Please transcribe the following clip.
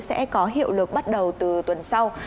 sẽ có hiệu lực bắt đầu từ tuần sau